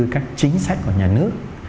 các chính sách của nhà nước